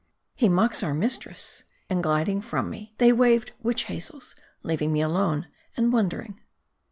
" He mocks our mistress," and gliding from me, they waved witch hazels, leaving me alone and wondering.